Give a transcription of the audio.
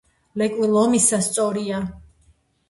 ლეკვი ლომისა სწორია